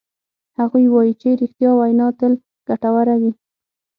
هغوی وایي چې ریښتیا وینا تل ګټوره وی